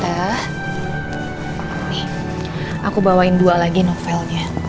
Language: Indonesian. ini aku bawain dua lagi novelnya